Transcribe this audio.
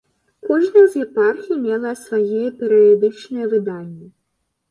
Кожная з епархій мела свае перыядычныя выданні.